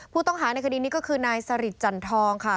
ผู้ต้องหาในคดีนี้ก็คือนายสริทจันทองค่ะ